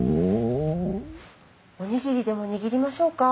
おにぎりでも握りましょうか？